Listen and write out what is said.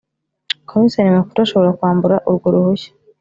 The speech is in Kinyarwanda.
Komiseri Mukuru ashobora kwambura urwo ruhushya